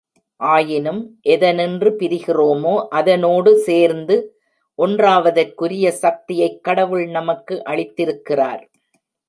ஆயினும் எதனின்று பிரிகிறேமோ அதனோடு சேர்ந்து ஒன்றாவதற்குகுரிய சக்தியைக் கடவுள் நமக்கு அளித்திருக்கிறார்.